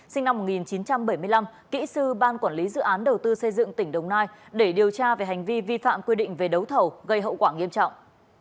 sinh năm một nghìn chín trăm bảy mươi năm kỹ sư ban quản lý dự án đầu tư xây dựng tỉnh đồng nai để điều tra về hành vi vi phạm quy định về đấu thầu gây hậu quả nghiêm trọng